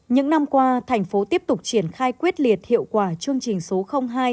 những năm qua thành phố tiếp tục triển khai quyết liệt hiệu quả chương trình số hai